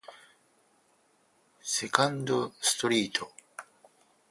セカンドストリート